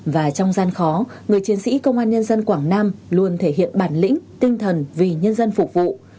và trong gian khó người chiến sĩ công an nhân dân quảng nam luôn thể hiện bản lĩnh tinh thần vì nhân dân phục vụ